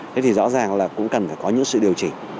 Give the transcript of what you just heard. thế thì rõ ràng là cũng cần phải có những sự điều chỉnh